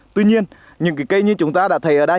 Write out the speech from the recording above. tuy nhiên những cái cây như chúng ta đã thấy ở đây